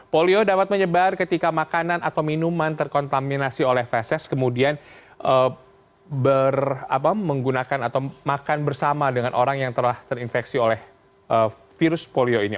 polio dapat menyebar ketika makanan atau minuman terkontaminasi oleh fesis kemudian menggunakan atau makan bersama dengan orang yang telah terinfeksi oleh virus polio ini